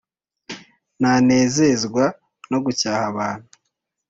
ntanezezwa no gucyaha abantu